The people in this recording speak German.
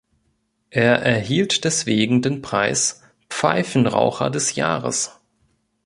Er erhielt deswegen den Preis "Pfeifenraucher des Jahres".